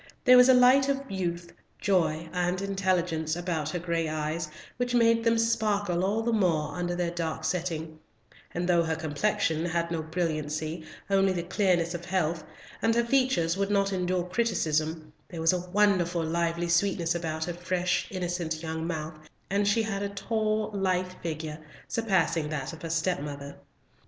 There was a light of youth, joy, and intelligence, about her gray eyes which made them sparkle all the more under their dark setting, and though her complexion had no brilliancy, only the clearness of health, and her features would not endure criticism, there was a wonderful lively sweetness about her fresh, innocent young mouth; and she had a tall lithe figure, surpassing that of her stepmother.